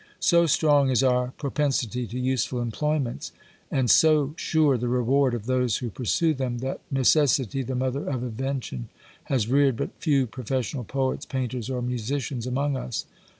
So strong is our propensity to useful employments, and so sure the reward of those who pursue them, that necessity, " the mother of invention," has reared but few professional poets, painters, or musicians among us.